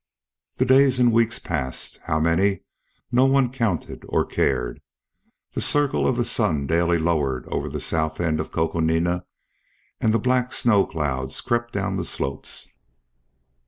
The days and weeks passed, how many no one counted or cared. The circle of the sun daily lowered over the south end of Coconina; and the black snow clouds crept down the slopes.